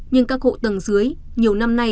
nhưng các khu tầng dưới nhiều năm nay